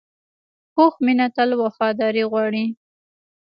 پوخ مینه تل وفاداري غواړي